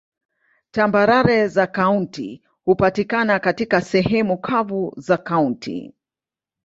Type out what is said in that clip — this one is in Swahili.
Tambarare za kaunti hupatikana katika sehemu kavu za kaunti.